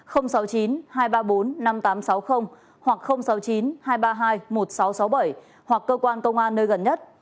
sáu mươi chín hai trăm ba mươi bốn năm nghìn tám trăm sáu mươi hoặc sáu mươi chín hai trăm ba mươi hai một nghìn sáu trăm sáu mươi bảy hoặc cơ quan công an nơi gần nhất